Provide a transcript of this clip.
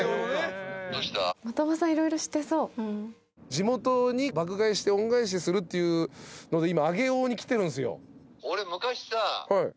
地元に爆買いして恩返しするっていうので今上尾に来てるんすよ。